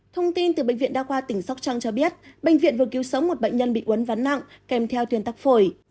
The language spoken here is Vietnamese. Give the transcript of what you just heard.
thông tin từ bệnh viện đa khoa tỉnh sóc trăng cho biết bệnh viện vừa cứu sống một bệnh nhân bị uốn ván nặng kèm theo tuyên tắc phổi